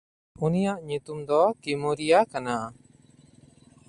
ᱩᱱᱤᱭᱟᱜ ᱧᱩᱛᱩᱢ ᱫᱚ ᱠᱤᱢᱚᱨᱤᱭᱟ ᱠᱟᱱᱟ᱾